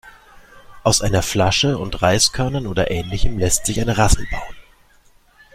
Aus einer Flasche und Reiskörnern oder Ähnlichem lässt sich eine Rassel bauen.